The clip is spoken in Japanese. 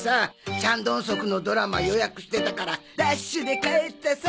チャン・ドンソクのドラマ予約してたからダッシュで帰ったさ。